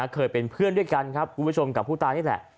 เคยเป็นเพื่อนด้วยกันครับคุณผู้ชมกับผู้ตายนี่แหละ